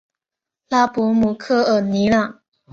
拉博姆科尔尼朗。